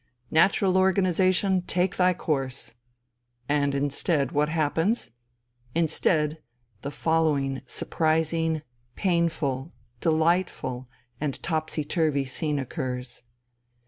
Natural organization, take thy course! And, instead, what happens? Instead, the following surprising, painful, delightful, and topsy turvy scene occurs.